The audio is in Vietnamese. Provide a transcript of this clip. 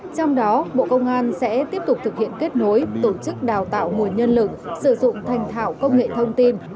trong đó bộ công an sẽ tiếp tục thực hiện kết nối tổ chức đào tạo nguồn nhân lực sử dụng thành thảo công nghệ thông tin